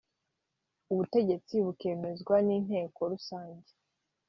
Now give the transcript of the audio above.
ubutegetsi bikemezwa n inteko rusange